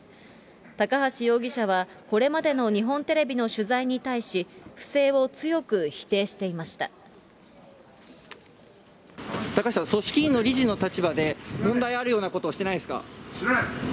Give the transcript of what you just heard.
高橋容疑者は、これまでの日本テレビの取材に対し、高橋さん、組織委員の理事の立場で、問題があるようなことはしてないですか？